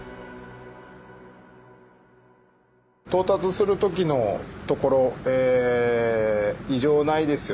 到達する時のところ異常ないですよね。